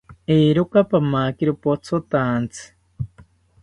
Eeroka, pamakiro pothotaantzi